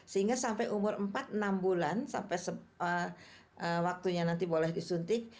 sehingga sampai umur empat enam bulan sampai waktunya nanti boleh disuntik